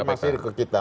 informasi ke kita